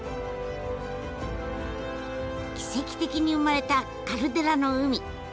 奇跡的に生まれたカルデラの海。